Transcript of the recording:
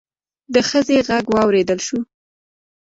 د ښځې غږ واوريدل شو.